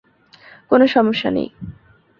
কোন সমস্যা নেই।